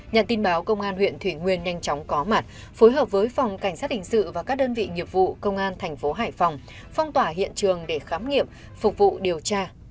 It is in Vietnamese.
nhận tin báo công an huyện thủy nguyên nhanh chóng có mặt phối hợp với phòng cảnh sát hình sự và các đơn vị nghiệp vụ công an thành phố hải phòng phong tỏa hiện trường để khám nghiệm phục vụ điều tra